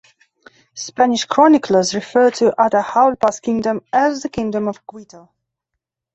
Spanish chroniclers refer to Atahaulpas' Kingdom as the Kingdom of Quito.